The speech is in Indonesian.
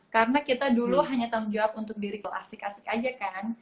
karena kita dulu hanya menjawab untuk diri asik asik aja kan